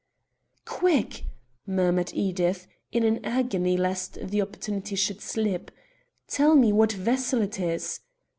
"Quick!" murmured Edith, in an agony lest the opportunity should slip. "Tell me what vessel it is."